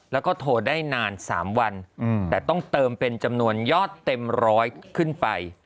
แล้วก็โทรได้นาน๓วันแต่ต้องเติมเป็นจำนวนยอดเต็มร้อยขึ้นไป